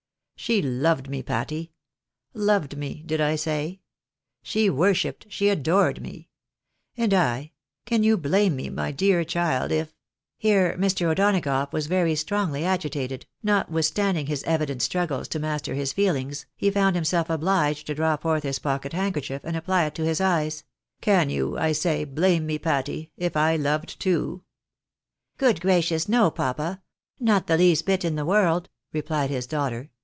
She loved me, Patty ! Loved me, did I say ? She worshipped — she adoredme I And I — can you blame me, my dear child, if ■" here Mr. O'Donagough was very strongly agitated ; notwithstanding his evident struggles to master his feelings, he found himself obhgeii to draw forth his pocket handkerchief, and apply it to his eyes —" can you, I say, blame me, Patty, if I loved too ?"" Good gracious, no, papa ! ISTot the least bit in the world," replied his daughter.